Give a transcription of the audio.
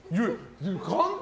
簡単。